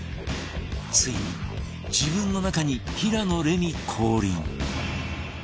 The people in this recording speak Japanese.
ついに自分の中に平野レミ降臨